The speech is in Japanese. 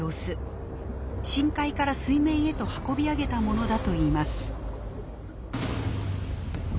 深海から水面へと運び上げたものだといいます。